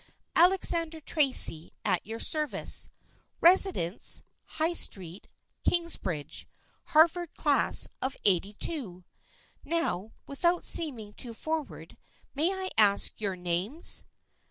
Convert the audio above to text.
Alexander Tracy at your service, Residence, High Street, Kingsbridge, Harvard Class of '82. Now, without seeming too forward, might I ask your names?